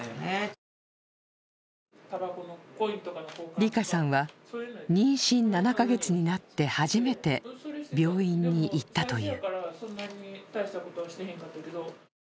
りかさんは妊娠７か月になって初めて病院に行ったという。